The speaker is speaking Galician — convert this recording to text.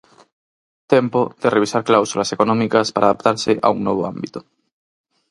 Tempo de revisar cláusulas económicas para adaptarse a un novo ámbito.